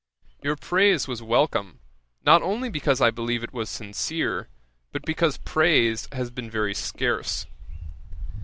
Your praise was welcome, not only because I believe it was sincere, but because praise has been very scarce.